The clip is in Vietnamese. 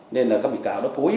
nên các bị cáo đã cố ý